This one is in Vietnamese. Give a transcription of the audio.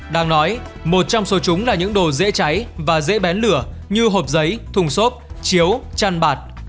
đang nói một trong số chúng là những đồ dễ cháy và dễ bén lửa như hộp giấy thùng xốp chiếu chăn bạt